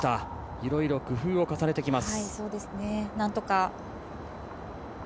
いろいろ工夫を重ねてきます。